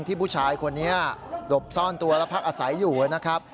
ผู้ชายคนนี้หลบซ่อนตัวและพักอาศัยอยู่นะครับ